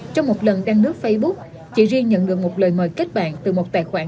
trong một lần đăng đức facebook chị riêng nhận được một lời mời kết bạn từ một tài khoản